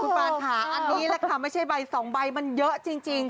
ถูกต้องค่ะคุณฟาศาอันนี้แหละค่ะไม่ใช่ใบ๒ใบมันเยอะจริง